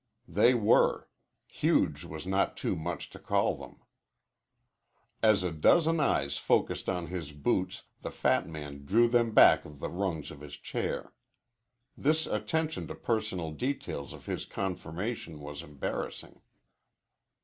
They were. Huge was not too much to call them. As a dozen eyes focused on his boots the fat man drew them back of the rungs of his chair. This attention to personal details of his conformation was embarrassing.